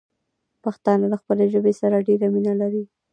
پښتانه له خپلې ژبې سره ډېره مينه لري.